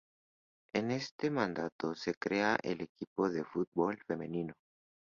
En este mandato se crea el equipo de fútbol femenino.